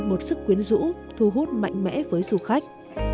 một sức quyến rũ thu hút mạnh mẽ với du khách